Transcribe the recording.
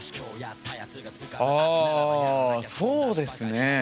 あそうですね。